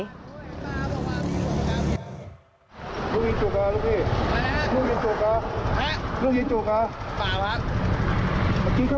ฮ่านไหนเนี่ยฮ่ะ